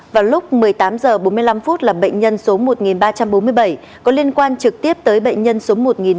vào lúc một mươi tám h bốn mươi năm là bệnh nhân số một ba trăm bốn mươi bảy có liên quan trực tiếp tới bệnh nhân số một ba trăm